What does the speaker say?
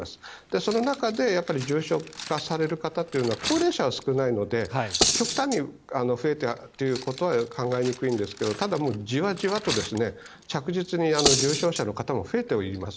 その中で重症化される方は高齢者は少ないので極端に増えたということは考えにくいんですけどただ、もうじわじわと着実に重症者の方も増えてはいます。